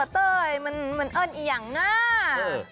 เต้ยมันเอิ้นอีกอย่างนะ